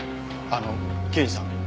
あの刑事さん。